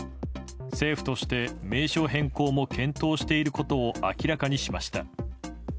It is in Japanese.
政府として名称変更も検討していることを明らかにしました。